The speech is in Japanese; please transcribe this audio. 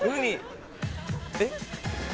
えっ？